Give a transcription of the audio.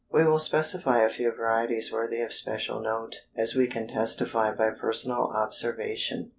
We will specify a few varieties worthy of special note, as we can testify by personal observation.